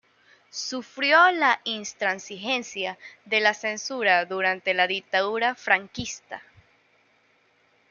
Sufrió la intransigencia de la censura durante la dictadura franquista.